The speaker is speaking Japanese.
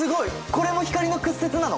これも光の屈折なの？